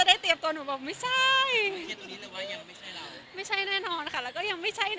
แบบต้อยผมจะตัวเองก็ยังไม่ใช่เรา